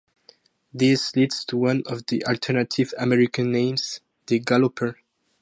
This leads to one of the alternative American names, the galloper.